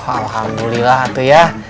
alhamdulillah itu ya